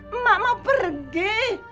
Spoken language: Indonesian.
emak mau pergi